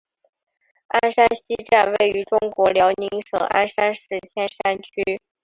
鞍山西站位于中国辽宁省鞍山市千山区。